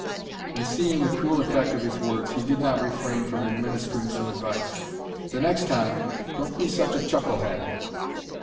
And seeing the cruel effect of his words, he did not refrain from administering some advice: "The next time, don't be such a chuckle head."